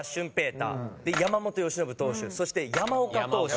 大山本由伸投手そして山岡投手。